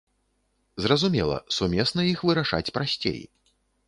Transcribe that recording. Зразумела, сумесна іх вырашаць прасцей.